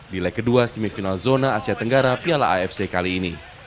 di leg kedua semifinal zona asia tenggara piala afc kali ini